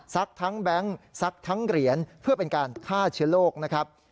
ทั้งแบงค์ซักทั้งเหรียญเพื่อเป็นการฆ่าเชื้อโรคนะครับ